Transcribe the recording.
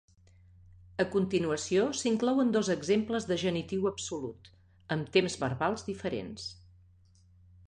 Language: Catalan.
A continuació s'inclouen dos exemples de genitiu absolut, amb temps verbals diferents.